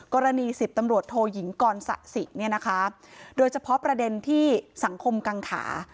กรณี๑๐ตำรวจโทหยิงกรศสิโดยเฉพาะประเด็นที่สังคมกังขา